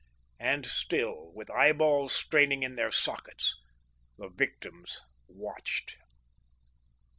And still, with eyeballs straining in their sockets, the victims watched.